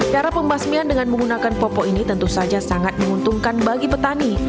cara pembasmian dengan menggunakan popok ini tentu saja sangat menguntungkan bagi petani